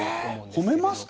え褒めますか？